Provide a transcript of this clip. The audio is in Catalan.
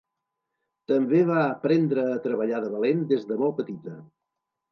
També va aprendre a treballar de valent des de molt petita.